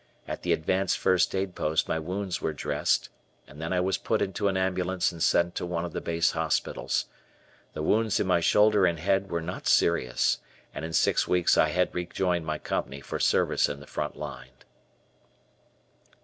At the advanced first aid post my wounds were dressed, and then I was put into an ambulance and sent to one of the base hospitals. The wounds in my shoulder and head were not serious and in six weeks I had rejoined my company for service in the front line.